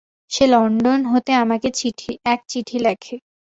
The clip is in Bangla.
সে লণ্ডন হতে আমাকে এক চিঠি লেখে।